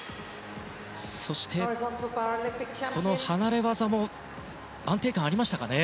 そして、この離れ技も安定感ありましたね。